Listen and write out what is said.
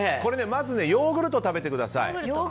まずヨーグルトを食べてください。